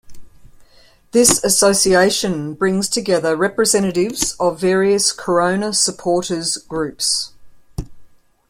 This association brings together representatives of various Korona supporters groups.